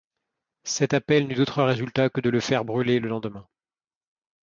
Cet appel n’eut d’autre résultat que de le faire brûler le lendemain.